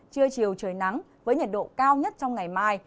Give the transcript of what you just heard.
trưa chiều trời nắng với nhiệt độ cao nhất trong ngày mai